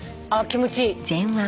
気持ちいい。